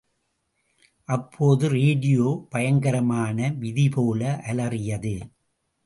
அப்போது, ரேடியோ பயங்கரமான விதி போல அலறியது.